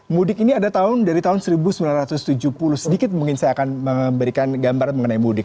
mudik ini ada tahun dari tahun seribu sembilan ratus tujuh puluh sedikit mungkin saya akan memberikan gambaran mengenai mudik